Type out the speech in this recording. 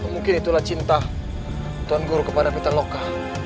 mungkin itulah cinta tuhan guru kepada petaloka